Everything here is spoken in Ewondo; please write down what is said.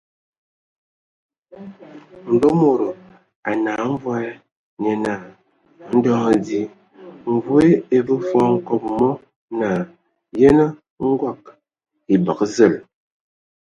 Nlomodo a nəa mvoe, nye naa : ndɔ hm di. Mvoe e vəə fɔɔ hkobo mɔ naa : Yənə, ngog. E bəgə zəl !